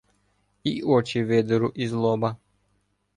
І очі видеру із лоба